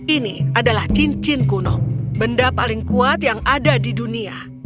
ini adalah cincin kuno benda paling kuat yang ada di dunia